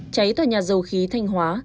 cháy tại nhà dầu khí thanh hóa